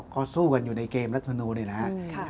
ก็สู้กันอยู่ในเกมรัฐพนูดีนะฮะ